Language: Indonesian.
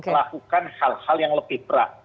melakukan hal hal yang lebih berat